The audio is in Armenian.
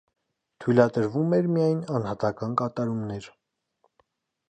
Թույլատրվում էր միայն անհատական կատարումներ։